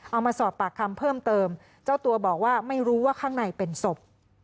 เอามาสอบปากคำเพิ่มเติมเจ้าตัวบอกว่าไม่รู้ว่าข้างในเป็นศพ